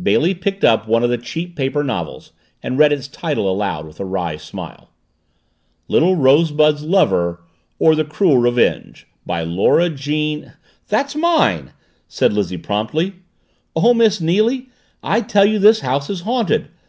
Bailey picked up one of the cheap paper novels and read its title aloud, with a wry smile. "'Little Rosebud's Lover, Or The Cruel Revenge,' by Laura Jean " "That's mine!" said Lizzie promptly. "Oh, Miss Neily, I tell you this house is haunted.